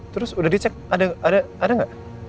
terus udah dicek ada nggak